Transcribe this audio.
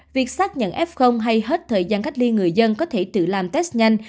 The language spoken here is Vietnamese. việc xác nhận f hay hết thời gian cách ly người dân có thể tự làm test nhanh